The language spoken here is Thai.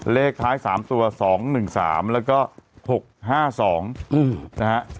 เลขท้าย๓ตัว๒๑๓แล้วก็๖๕๒นะฮะ